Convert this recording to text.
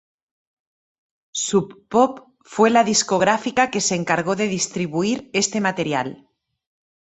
Sub Pop fue la discográfica que se encargó de distribuir este material.